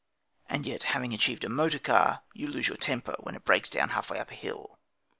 And yet, having achieved a motor car, you lose your temper when it breaks down half way up a hill!